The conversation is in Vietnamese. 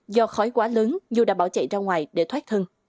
do khói quá lớn nhu đã bỏ chạy ra ngoài để thoát thân